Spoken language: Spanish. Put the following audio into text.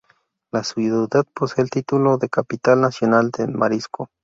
La ciudad posee el título de "Capital Nacional del Marisco".